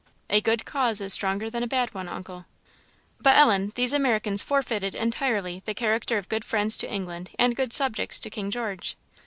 "A good cause is stronger than a bad one, uncle." "But, Ellen, these Americans forfeited entirely the character of good friends to England and good subjects to King George."